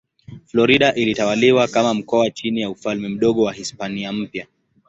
Florida ilitawaliwa kama mkoa chini ya Ufalme Mdogo wa Hispania Mpya.